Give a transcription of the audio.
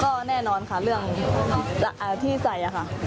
ก็แน่นอนค่ะเรื่องที่ใส่ค่ะ